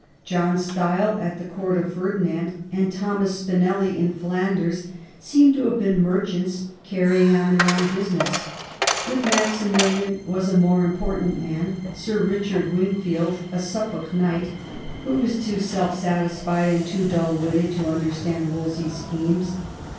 John Stile at the Court of Ferdinand, and Thomas Spinelly in Flanders seem to have been merchants carrying on their own business. With Maximilian was a more important man. Sir Kichard Wingfield, a Suffolk knight^ who was too self satisfied and too dull witted to understand Wolsey's schemes.